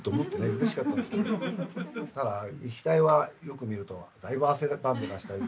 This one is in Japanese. うれしかったんですけどただ額はよく見るとだいぶ汗ばんでらしたり。